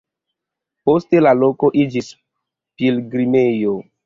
Poste la loko iĝis pilgrimejo.